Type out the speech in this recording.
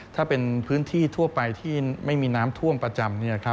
ถ้าเป็นพื้นที่ทั่วไปที่ไม่มีน้ำท่วมประจำ